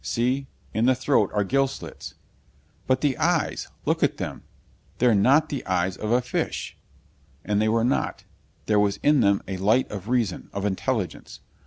See in the throat are gill slits." "But the eyes! Look at them! They're not the eyes of a fish!" And they were not. There was in them a light of reason, of intelligence.